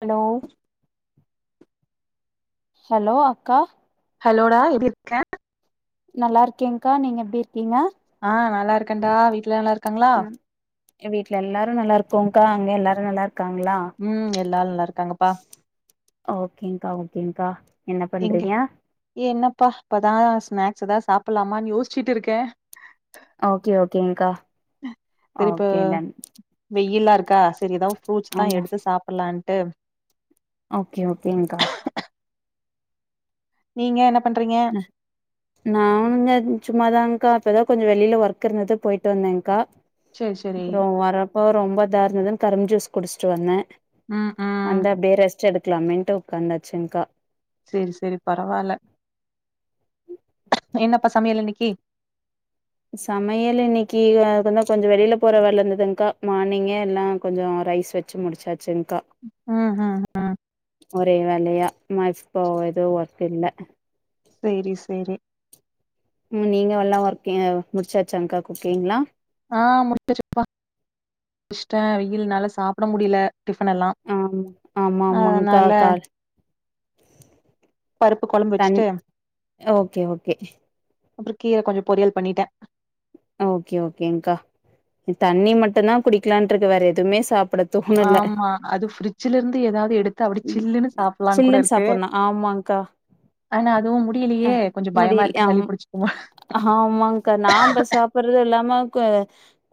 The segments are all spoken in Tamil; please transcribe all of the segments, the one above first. ஹலோ ஹலோ அக்கா ஹலோடா எப்டி இருக்க நல்லா இருக்கேக்கா நீங்க எப்டி இருக்கீங்க ஆ நல்லா இருக்கேன்டா வீட்டு்ல நல்லா இருக்காங்களா வீட்டுல எல்லாரும் நல்லா இருக்கும்கா அங்க எல்லாரும் நல்லா இருக்காங்களா ம் எல்லாரும் நல்லா இருக்காங்கப்பா ஓகேக்கா ஓகேக்கா என்ன பண்றீங்க அப்பா அப்பதான் ஸ்நாக்ஸ் ஏதான் சாப்படலாமான்னு யோசிச்சுட்டு இருக்கேன் ஓகே ஓகேக்கா சரி இப்ப ஓகே டன் வெயிலா இருக்கா செரிதான் ஃப்ரூட்ஸ் தான் ஆமா எடுத்து சாப்படலான்னு ம் ஓகே ஓகேங்க்கா நீங்க என்ன பண்றீங்க நானனுங்க சும்மாதான் க்காப்ப ஏதான் கொஞ்சம் வெளியல ஒர்க் இருந்தது போயிட்டு வந்தேங்க்கா சரி சரி அப்பறம் வரப்ப ரொம்ப தார்ணது கரும்ம் ஜூஸ் குடிச்சிட்டு வந்தேன் ம் ம் வந்த அப்டியே ர ரெஸ்ட்டுடெக்கலாம் மெட்டு உ்காந்தச்சு இன்க செரி செரி பரவால என்னப்ப சமையலன்னை [inaudible] சமையல் இன்னைக்கி அது வ கொஞ்சம் வெளியல போற வேல இருந்ததுங்கா மார்னிங்கே எல்லாம் கொஞ்சம் ரைஸ் வச்சு முடிச்சாச்சுங் ம் ம் ம் ஒரே வேலயா ம இப்போ இது ஒர்த் இல்ல சேரி சேரி உம் நீங்க எல்லாம் ஒர்க முடிச்சாச்சாங்க்கா குக்கிங்களா ஆ முடிச்சிட்டேப்பா ஷன் வெயில் நால சாப்பட முடியல டிஃபன் எல்லா ஆமா ஆமா ஆமாகா அதனால கார் பருப்பு கொழம்பு தன் வச்சுட்டு ஓகே ஓகே அப்பறம் கீர கொஞ்சம் பொரியல் பண்ணிட்டேன் ஓகே ஓகேக்கா தண்ணி மட்டும்தான் குடிக்கலான் இருக்கு வேற எதுவுமே சாப்ப ஆமா அது ஃபிரிட்ஜ்ல இருந்து ஏதாவது எடுத் ம் அ சில்லுன்னு சாப்பட்னு ஆமாங்க்கா ஆனா அதுவும் அ முடியலையே. கொஞ்சம் பயமா முடியல இருக்கு சளி அம் பிடிச்சுக்குமோ? அ ஆமாங்க்கா நாம்ப சாப்டறது இல்லாம கொ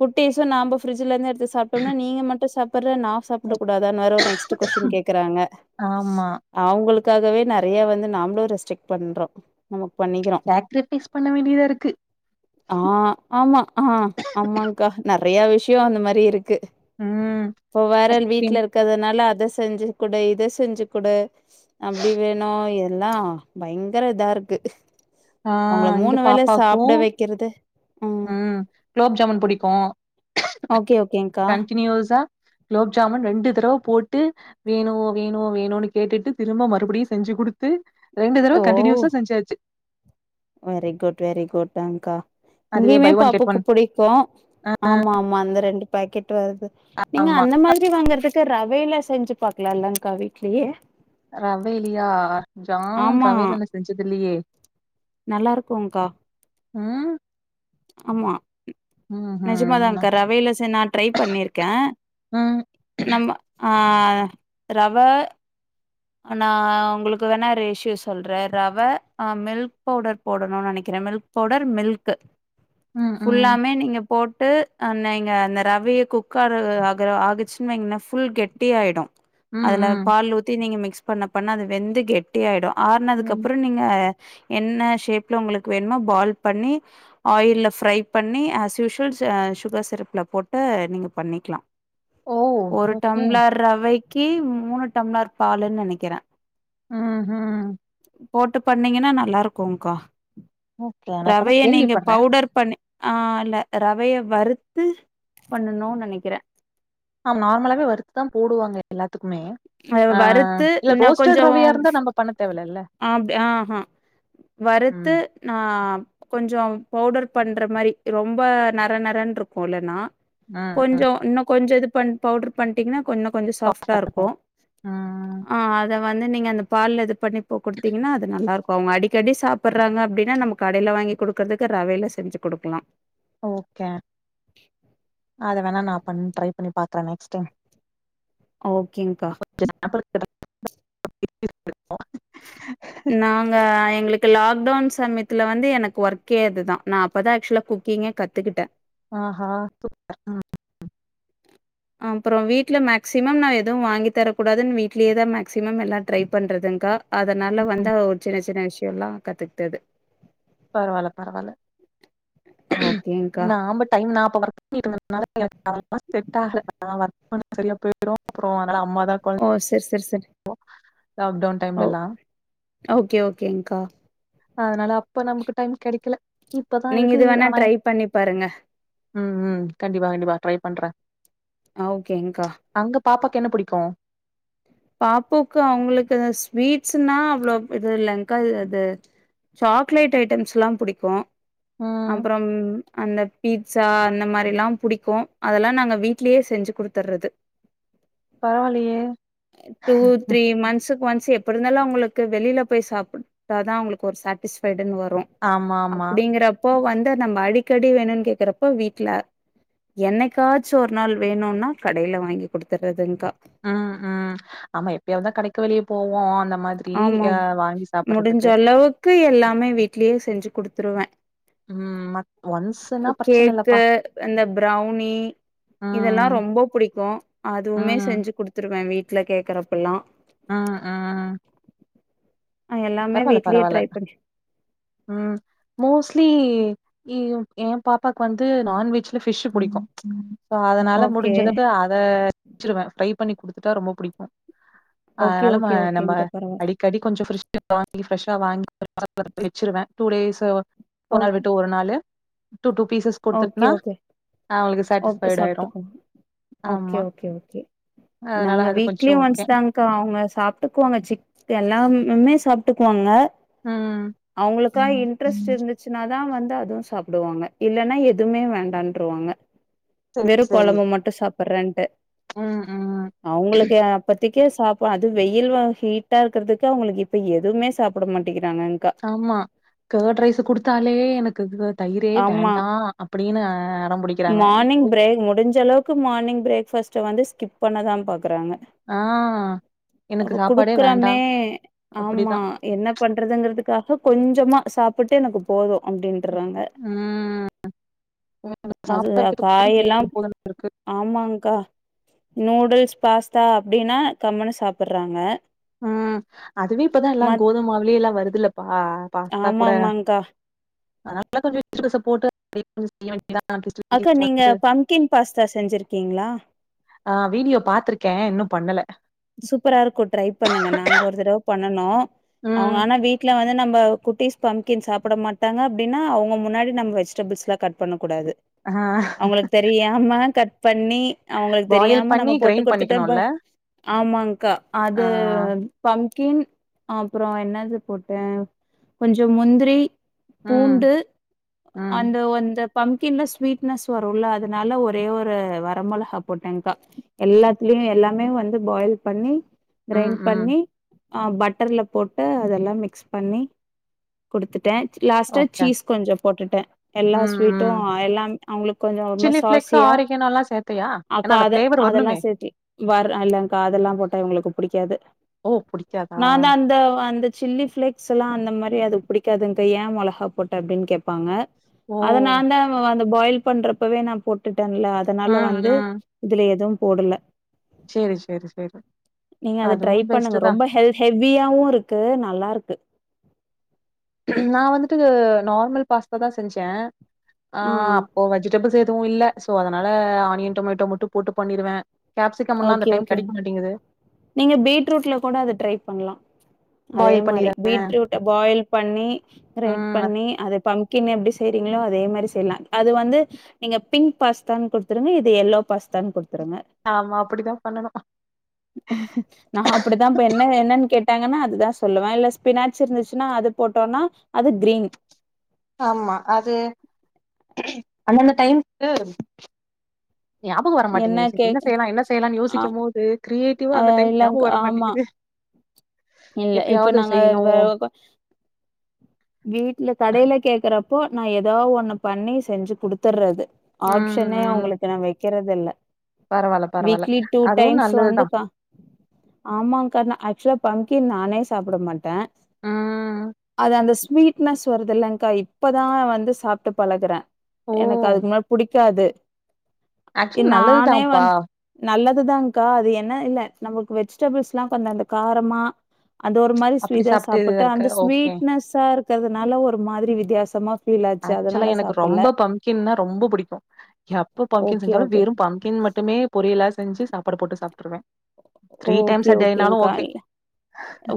குட்டீஸு நாம்ப ஃப்ரிஜ்ஜில இருந்து எடுத்து சாப்ட்டோம்னா நீங்க மட்டு சாப் அப்பற நா சாப்பிட கூடாதான்னு வேற ஒரு நெஸ்ட் கொஷ்டின் கேக் க்கறாங்க ஆமா. அவுங் உங்களுக்காகவே நெறையா வந்து நாமளு ரெஸ்ட்ரிக்ட் பண்றோ நமக் பண்ணிக்கிறோ சாக்ரிஃபைஸ் பண்ண வேண்டியதா இருக்கு. ஆ ஆமா ஆ ஆமாங்க்கா நெறைய விஷ் ஷியோ அந்த மாரி இருக் க்கு ம். இப்போ வேற ஆள் ஐஸ்கிரீம். வீட்ல இருக்கிறதுனால அத செஞ்சு குடு இத செஞ்சு குடு அப்டி வேணு எத எல்லா பயங்கர இதா இருக்கு ஆ அவங்கள இங்க மூணு வேல பாப்பாக்கு சாப்ட வைக்கிறது ம் குலோப்ஜாமூன் புடிக்கு ஓகே ஓகேங்கா குலோப் ஜாமுன் ரெண்டு தடவ போட்டு வேணு வேணு வேணுனு கேட்டுட்டு திரும்ப மறுபடியு செஞ்சு குடுத்து ரெண்டு தடவ ஓ கண்டினுயூஸா செஞ்சாச்சு வெரி குட் வெரி குட் தாங்க்கா அதுவே இங்கியுமே பை ஒன் கெட் பாப்புக்கு ஒன். புடிக்கு ஆமா ஆமா அந்த ரெண்டு பாக்கெட் ட்றது நீங்க ஆமா. அந்த மாதிரி வாங்கறதுக் க்கு ரவையில செஞ்சு பாக்கலா இல்லங்க்கா வீட்லயே ரவையிலியா ஜாமூன் ஆமா ரவைல நா செஞ்சது இல்லயே நல்லா இருக்கும்க்கா ம். ஆமா ம் நெஜமாதாங்க்கா ரவைல செ நா ட்ரை பண்ணிருக்கே நம்ம ஆ ஆ ரவ நா உங்களுக்கு வேண்ணா ரேஷியோ சொல்றே ரவ மில்க் பவுடர் போடணுனு நெனைக்கிறே மில்க் பவுடர் மில்க்கு ஃபுல்லாமே நீங்க இப் போட்டு அ நீங்க அந்த ரவய குக் ஆற ஆகற ஆகிச்சினு வைங்ளே ஃபுல் கெட்டி ஆயிடு அதுல பால் ஊத்தி நீங்க மிக் மிக்ஸ் பண்ண பண்ண அது வெந்து கெட்டி ஆயிடு ம். ஆறனதுக்கப்றோ நீங்க என்ன ஷேப்ல உங்களுக்கு வேணுமோ பால் பண்ணி ஆயில்ல ஃப்ரை பண்ணி அஸ் யூஷுவல் அ சுகர் சிரப்ல போட்டு நீங்க பண்ணிக்லா ஓ! ஒரு ஓகே. டம்ளர் ரவை கி மூணு டம்ளர் பால்ன்னு நெனைக்கிறேன் உம் உஹம் போட்டு பண்ணீங்கன்னா நா நல்லா இருக்குங்க்கா ஓகே. நான் இப்ப தான் ரவைய நீங்க கேள்விப்படுறேன். பவுடர் பண்ணி ஆ இல்ல ரவைய வறுத்து பண்ணனு நெனைக்கிறேன் ஆமா நார்மலாவே வறுத்து தான் போடுவாங்க எல்லாத்துக்குமே. அத ஆ வறுத்து இல்ல இன்னு ரோஸ்டட் ரவையா கொஞ்சோம் இருந்தா நம்ம பண்ண தேவயில்லல்ல. அப்ப ஆ வறுத்து ம். நான் கொஞ்சோ பவுடர் பண்ற மாரி ரொம்ப நர நரனு இருக்கும் இல்லன்னா ம். கொஞ்சோ இன்னு கொஞ்சோ இதுப் பன் பவுடர் பண்ணிட்டீங்னா கொஞ்ச கொஞ்ச சாஃப்டா சாஃப்ட்டா இருக்கு இருக்கும். ம். ஆ அத வந்து நீங்க அந்த பால்ல இது பண்ணி போ குடுத்தீங்கன்னா அது நல்லா இருக்கும் அவங்க அடிக்கடி சாப்பறாங்க அப்டின்னா நம்ம கடையில வாங்கி குடுக்குறதுக்கு ரவையில செஞ்சு குடுக்கலா ஓகே அத வேணா நான் பண் ட்ரை பண்ணி பாக்குறே நெக்ஸ்ட் டைம் ஓகேங்க்கா [unintelligible] நாங்க எங்களுக் க்க லாக்டவுன் சமயத்துல வந்து எனக்கு ஒர்க்கே அதுதா நா அப்பதா ஆக்சுவலா குக்கிங்கே கத்துக்கிட்டே ஆஹா [unintelligible] ம் அப்புறோம் வீட்ல மேக்சிமம் நான் எதுவும் வாங்கி தர கூடாதுன்னு வீட்லயேதான் மேக்சிமம் எல்லாம் ட்ரை பண்றதுங்க்கா அதனால வந்தா ஒரு சின்ன சின்ன விஷயோல்லா கத்துக்ட்டது பரவால்ல பரவால்ல ஓகேங்க்கா. நாம்ப டைம் நா [unintelligible] [unintelligible] சரியா போயிடும் அப்புறோம் ஓ செர் செர் செர் ஒ ஓ ஓகே ஓகேங்க்கா அதனால அப்ப நமக்கு டைம் கெடைக்கல இப்பதான் நீங்க இதுக்கு இது வேணா ஆனா ட்ரை பண்ணி பாருங்க. உம் உம் கண்டிப்பா கண்டிப்பா ட்ரை பண்றேன் ஓகேங்க்கா பாப்பாக்கு என்ன புடிக்கும் பாப்புக்கு அவங்களுக்கு ஸ்வீட்ஸ்ன்னா அவ்ளோ இது இல்லங்க்கா அது சாக்லேட் ஐட்டம்ஸ்லா புடிக்கு ம் அப்றம் அந்த பீட்சா அந்த மாரில்லாம் புடிக்கு அதெல்லா நாங்க வீட்லயே செஞ்சு குடுத்துடுறது பரவால்லயே அ டூ த்ரீ மன்த்ஸுக்கு ஒன்ஸ் எப் எப்டி இருந்தாலு அவங்களுக்கு வெளில போய் சாப்பிட்டாதா அவங்களுக்கு ஒரு சாட்டிஸ்ஃபைடுன்னு வரு ஆமாம்மா இப்போ வந்து நம்ம அடிக்கடி வேணும்ன்னு கேக்குறப்ப வீட்ல என்னைக்காச்சு ஒரு நாள் வேணும்னா கடையில வாங்கி குடுத்துறதுங்க்கா உம் உம் ஆமா எப்பயாவதுதா கடைக்கு வெளிய போவோ அந்த மாதிரி ஆமாம் அஹ் வாங்கி முடிஞ்ச சாப்பிடுறதுக்கு அளவுக்கு எல்லாமே வீட்லயே செஞ்சு குடுத்துருவே ஒன்ஸ்ன்னா அ பிரச்சன இல்லப்பா கேக்கு அந்த ப்ரவுனி இதெல்லா ம் ரொம்ப புடிக்கு அதுவுமே ம் செஞ்சு குடுத்துருவே வீட் வீட்ல கேக்குறப்ப எல்லா ஆ ஆ எல்லாமே பரவால்ல வீட்லயே பரவால்ல ட்ரை பண்ணி உம் மோஸ்ட்லி ஐயயோ ஏன் பாப்பாக்கு வந்து நான்வெஜ்ல ஃபிஷ் புடிக்கு சோ அதனால ஓகே முடிஞ்சளவு அத செஞ்சுருவே [unintelligible] பண்ணி குடுத்துட்டா ரொம்ப புடிக்கு ஓகே அதனால நம்ம ஓகே நம்ப ஓகேங்க்கா பரவால்ல அடிக்கடி கொஞ்ச ஃபிரெஷ் [unintelligible] வாங்கி ஃப்ரஷா வாங்கி [unintelligible] வச்சிருவே டூ டேஸு ஒரு நாள் ஓகே விட்டு ஒரு நாளு டூ டூ பீசஸ் ஓகே குடுத்துட்னா ஓகே அவங்களுக்கு ஓகே சாட்டிஸ்ஃபைடு ஆயிரு சாப்டுக்குவாங்க ஓகே ஆமா ஓகே ஓகே அதனால நாங்க அது வீக்லி கொஞ்சோ ஓகே ஒன்ஸ்தாங்க்கா அவுங்க சாப்ட்டுக்குவாங்க சிக் எல்லாம் ம்மே சாப்ட்டுக்குவாங்க ம் அவங்களுக்கா இன்ட்ரெஸ்ட் இருந்துச்சுன்னாதா வந் த்தா அதுவு சாப்டுவாங்க இல்லன்னா எதுவுமே வேண்டான்ட்ருவாங்க சரி வெறு சரி கொழம்பு மட்டு சாப் ரெண்ட்டு ம் ம் அவங்களுக்கு என்ன பத் த்துக்கே சாப் அது வெயில் வேற ஹீட்டா இருக்கிறதுக்கு அவங்களுக்கு இப்ப எதுவுமே சாப்பிட மாட்டேங்கிது ஆமா கர்ட் ரைஸு குடுத்தாலே எனக்கு இது தயிரே ஆமா வேண்டா அப்டின்னு அடம் புடிக்கிறாங்க மானிங் பிரேக் முடிஞ்ச அளவுக்கு மார்னிங் பிரேக்பாஸ்ட் வந்து ஸ்கிப் பண்ணதான் பாக் குடுக்குறாங்க ஆ எனக்கு அப்ப சாப்பாடே வேண்டா கொடுக்கறமே ஆமா அப்டிதா என்ன பண்றதுங்கறதுக்காக கொஞ்சமா சாப்பிட்டு எனக்கு போதும் அப்படின்றாங்க ம் அது சாப்ட வைக்கிறதுக்கு காய எல்லாம் போது போது ஆமாகங்கா நூடுல்ஸ் பாஸ்தா தா அப்படின்னா கம்மனு சாப்புடுறாங்க உஹம் அதுவே இப்பதான் எல்லாம் கோதுமவுலயே எல்லாம் வருதுல்லப்பா பாஸ்தா ஆமா கூட ஆமாங்க்கா அதனாலாம் கொஞ்ச போட்டு அப்டி இப்படி செய்யனும் அக்கா நீங்க பம்கின் பாஸ்தா செஞ்சிருக்கீங்களா ஆஹ வீடியோ பாத்துருக்கேன் இன்னும் பண்ணல பண்ணணும் ம். அவுங்க ஆனா வீட்டுல வந்து நம்ம ந குட்டீஸ் பம்கின் சாப்பிட மாட்டாங்க அப்படின்னா அவங்க முன்னாடி நம்ம வெஜிடபிள்ஸ் லாம் கட் பண்ண கூடாது ஆ அவங்களுக்கு தெரியமா கட் பண்ணி அவங்களுக்கு பாயில் தெரியாம பண்ணி நம்ம போட்டு கிரைண்ட் கொடுத்துட்டம் பண்ணிக்கணும்ல? ஆமாங்கா ஆ. அது பம்கின் அப்புறம் என்னது போட்டேன் கொஞ்சம் முந்திரி ம். பூண்டு ம். அந்த வந்த பம்கின்ல ஸ்வீட்னஸ் வரும்ல அதனால ஒரே ஒரு வர மெளகா போட்டேங்கா எல்லாத்துலயும் எல்லாமே வந்து பாயில் பண்ணி ம். கிரைண் ம். பண்ணி பட்டர்ல போட்டு அதெல்லாம் மிக்ஸ் பண்ணி குடுத்துட்டேன் லாஸ்ட்டா ஓகே. சீஸ் கொஞ்சம் போட்டுட்டேன் எல்லா ம். ம். ஸ்வீட்டும் எல்லாம் அவங்களுக்கு கொஞ்சம் ஒருமாரி சில்லி ஃப்ளேக்ஸ், சாசியா ஆரிகேனோலாம் சேர்த்தியா? ஏன்னா அக்கா அந்த அத ஃப்ளேவர் வரணுமே! அதெல்லாம் சேத்தி வர இல்ல அதெல்லாம் போட்ட இங்களுக்கு பிடிக்காது ஓ! பிடிக்காதா? நான் தான் அந்த அந்த சில்லி ஃபிளேக்ஸ் எல்லாம் அந்த மாதிரி அது பிடிக்காதுங்க ஏன் மெளகா போட்ட அப்படின்னு கேப்பாங்க ஓ! அத நான் தான் வந்த பாயில் பண்றப்பவே நான் போட்டு அதனால ம். வந்து ம். இதுல எதுவும் போடல சரி, சரி, சரி. நீங்க அது ட்ரை அதுவும் பெஸ்ட்டு பண்ணுங்க தான். ரொம்ப ஹெல் ஹெவியாவும் இருக்கு நல்லா இருக்கு நான் வந்துட்டு நார்மல் பாஸ்தாதான் செஞ்சேன் ஆ ஆஹ அப்போ வெஜிடபிள்ஸ் ஏதுவும் இல்ல ஸோ அதனால ஆனியன் டொமேட்டோ மட்டு போட்டு பண்ணிருவே கேப்சிகம்லா அந்த ஓகே டைம் ஓகே கெடைக்க மாட்டேங்குது நீங்க பீட்ரூட்ல கூ டரை பண்ணலாம் அதே பாயில் மாத பண்ணிதா பீட் பாய பண்ணி ரெட் ம் பண்ணி அதது பம்பி அப்படி செய்றீங்களோ அதே மாரி செய்லா அது வந்து நீங்க பிங்க் பாஸ்தான்னு குடுத்துருங்க இது எல்லோ பாஸ்தான்னு குடுத்துருங்க ஆமா அப்படித்தான் பண்ணணும் நான் அப்படித்தான் இப்ப என்ன என்னன்னு கேட்டாங்கன்னா அதுதான் சொல்லுவேன் இல்ல ஸ்பினாட்ச் இருந்துச்சுன்னா அது போட்டோம்னா அது கிரீன் ஆமா அது அண்ணந்த டைம் ஞாபகம் வரட்டங்குது என்ன செய்யலாம் என்ன செய்யலாம்னு ஆ யோசிக்கும் போது கிரியே கிதுவா ஆ அந்த டைம் இல்லங்க ஞாமபம் வர ஆமா மாட்டேங்கு இல்ல இப்ப நாங்க வீட்டுல கடையில கேக்குற இப்போ நான் ஏதாவது ஒன்று பண்ணி செஞ்சு கொடுத்துடுறது ம் ஆப்ஷனே ம் உங்களுக்கு என்ன வை க்கரதெல்ல பரவால்ல பரவால்ல வீக்லி டூ அதுவு டைம்ஸ் நல்லதுதா வந்துக்க ஆமா க அசல பங்கி நானே சாப்ட மாட்டே ம் அது அந்த ஸ்வீட்னஸ் வருதில்லக்கா இப்போதான் வந்து சாப்பிட்டு பழகுறேன் ஓ எனக்கு அதுக்கு முன்னடி புடிக்காது ஆக்சுவலி நல்லதுதாப்பா தான்கா அது என்ன இல்ல நமக்கு வெஜிடபிள்ஸ் எல்லாம் கொந்தாந்தாங் கார அமா அந்த ஒரு மாரி ஸ்வி அப்டி இதா சாப்ட்டு சாப்பிட்டா இருக்கு அந்த ஓகே ஸ்வீட்னஸா இரு இருக்கிறதுனால ஒரு மாதிரி வித்தியாசமா ஃபீல் ஆச்சு ஆக்சுவலா அதனால எனக்கு சாப்பிடல ரொம்ப பம்ப்கின்னா ரொம்ப புடிக்கு எப்ப பம்ப்கின் ஓகே செஞ்சாலு ஓகே வெறு பம்ப்கின் மட்டுமே பொரியலா செஞ்சு சாடு போட்டு சாப்பட்டுருவேன் த்ரீ டைம்ஸ் ஓகே அடனாலும் ஓகேங்க்கா ஓகே இல்ல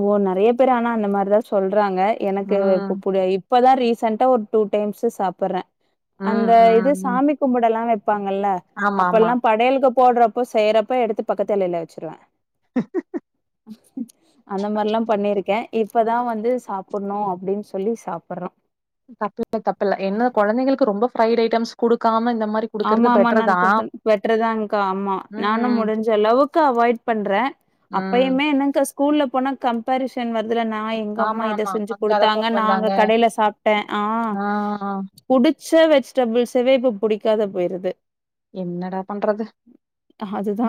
ஓ நிறைய பேர் ஆனா அந்த மாதிரிதான் சொல்ல றாங்க எனக்கு ம் புடி இ இப்போதான் ரீசெண்டட்டாக ஒரு டூ டைம்ஸ் சாப்பிட்றேன் ம் அந்த ம் இது ம் சாமி கும்பிட எல்லா வக் இருப்பாங்கல்ல ஆமா அப்ப ஆமா எல்லாம் படையலக்கு போடுறப்ப செய்யறப்ப எடுத்து பக்கத்துலையில வச்சுருவே உக்கும் எல்லா பண்ணியிருக்கே இப்பதா வந்து சாப்ணு அப்டின் சொல்லி சாப்றோ தப்புல தப்புல என்ன குழந்தைங்களுக்கு ரொம்ப பயிர் ஐயிட்டாம்ஸ் குடுக்காம இந் ஆமா ஆமா நான் குடுத் பெற்றதா்கா ஆமா ம் நானும் ம் முடிஞ்ச அளவுக்கு அவாய்ட் பண்றே ம் அப்பயுமே என்னக்க ஷ் ஸ்கூல்ல போன கம்பேரிசன் வர் இதுல நா எங்க அம்மா ஆமா இத ஆமா செஞ்சி அங்க அத குடுத்தாங்க கொண்டு நாங்க வந்தாங்க கடையில சாப்ட்டே ஆஹ் ஆ ஆ. குடுத் செ வெஜிடபுள் செவேப் புடிக் இருக்காத போருது என்னடா பண்றது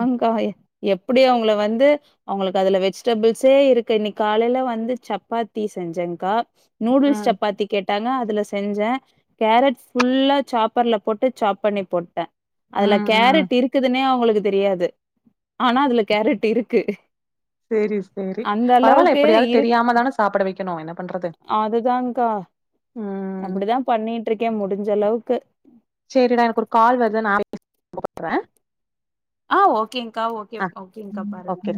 ம் இத் எப்டி அவங்கல வந்து அவங்களுகு அதுல வெஜிடபிள்ஸே இருக்கு இன்னைக் காலையில வந்து சப்பாத்தி செஞ்சேங்க்கா நூடுல்ஸ் சப்பாத்தி கேட் வுடாங்க அதுல செஞ்சே கேரட் புல்லா சாப்பர்ல போட் வுட் சாப் பண்ணி போட்டே அதுல ம் ம் கேரட் இருக்குதுன்னே அவுங்ளுக் இதுதெரியாது ஆனா அதுல கேரட் இருக்கு சேரி சேரி அந்த பரவால்ல அளவுக்கு எப்படியாவது இருக் தெரியாம தானே சாப்ட வைக்கணும் என்ன பண்றது ம் அப்படிதா பண்ணிட்ருக்கேன் முடிஞ்ச அளவுக்கு கூப்றே ஆஹ் ஓகேங் க்கா ஓகே ஓகேங்கா பாருங்க ஓகே